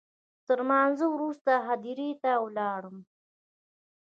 تر لمانځه وروسته هدیرې ته ولاړم.